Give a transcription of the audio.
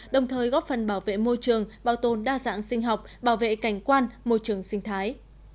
đồng thời góp phần bảo vệ môi trường bảo tồn đa dạng sinh học bảo vệ cảnh quan môi trường sinh thái